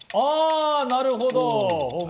なるほど。